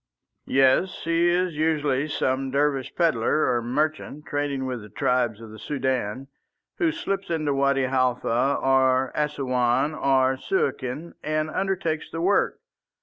"Yes. He is usually some Dervish pedlar or merchant trading with the tribes of the Soudan, who slips into Wadi Halfa or Assouan or Suakin and undertakes the work.